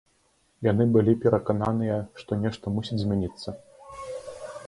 Яны былі перакананыя, што нешта мусіць змяніцца.